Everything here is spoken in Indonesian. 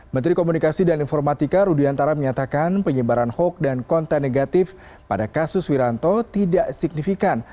menteri komunikasi dan informatika rudiantara menyatakan penyebaran hoax dan konten negatif pada kasus wiranto tidak signifikan